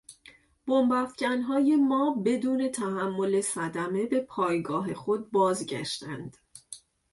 بمب افکنهای ما بدون تحمل صدمه به پایگاه خود باز گشتند.